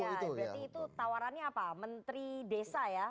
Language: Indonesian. ya berarti itu tawarannya apa menteri desa ya